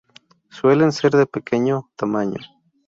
Suelen ser de pequeño tamaño.